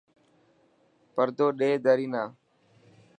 پردو ڏي دري نا.